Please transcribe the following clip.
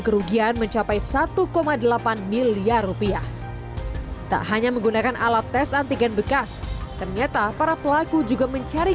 kenapa nggak berani